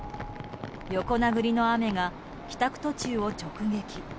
横殴りの雨が帰宅途中を直撃。